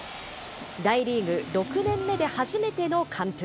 大リーグ６年目で初めての完封。